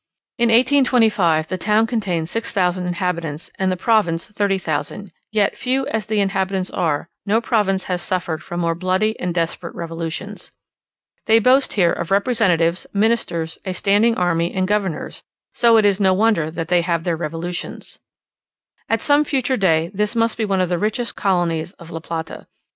In 1825 the town contained 6000 inhabitants, and the province 30,000; yet, few as the inhabitants are, no province has suffered more from bloody and desperate revolutions. They boast here of representatives, ministers, a standing army, and governors: so it is no wonder that they have their revolutions. At some future day this must be one of the richest countries of La Plata.